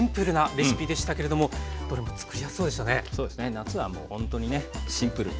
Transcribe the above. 夏はもうほんとにねシンプルに。